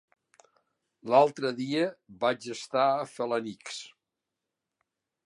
L'altre dia vaig estar a Felanitx.